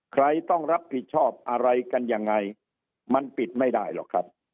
ใครต้องรับผิดชอบอะไรกันยังไงมันปิดไม่ได้หรอกครับ